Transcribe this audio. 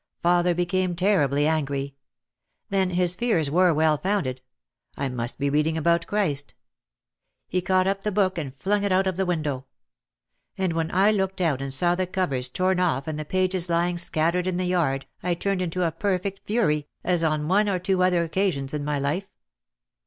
Father became terribly angry. Then his fears were well founded. I must be reading about Christ ! He caught up the book and flung it out of the window. And when I looked out and saw the covers torn off and the pages lying scattered in the yard I turned into a perfect fury, as on one or two other occasions in my life.